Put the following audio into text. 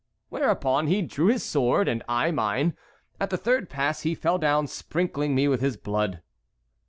Whereupon he drew his sword, and I mine. At the third pass he fell down, sprinkling me with his blood."